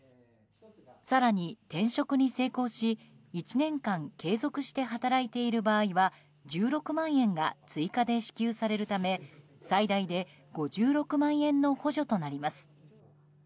更に、転職に成功し１年間継続して働いている場合は１６万円が追加で支給されるため最大で５６万円の補助となります。